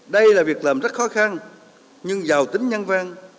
đây là việc làm rất khó khăn nhưng giàu tính nhanh vang